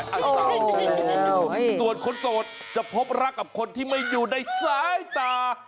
สาวดีส่วนคนโสดจะพบรักกับคนที่ไม่อยู่ในสายตา